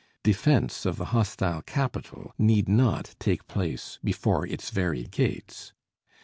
Defense of the hostile capital need not take place before its very gates.